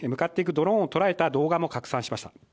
ドローンを捉えた動画も拡散しました。